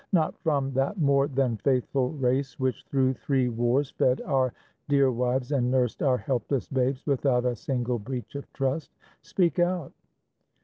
Not from That more than faithful race which through three wars Fed our dear wives and nursed our helpless babes Without a single breach of trust? Speak out!